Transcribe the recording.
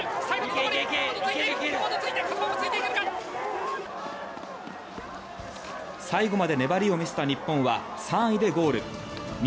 最後まで粘りを見せた日本は３位でゴール。